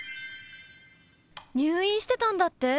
入院してたんだって？